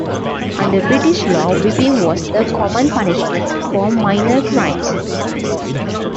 Under British law, whipping was the common punishment for minor crimes.